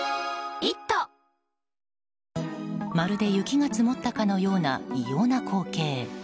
まるで雪が積もったかのような異様な光景。